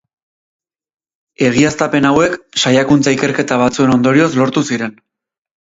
Egiaztapen hauek, saiakuntza-ikerketa batzuen ondorioz lortu ziren.